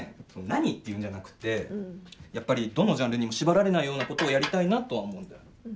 何っていうんじゃなくてやっぱりどのジャンルにも縛られないようなことをやりたいなとは思うんだよ。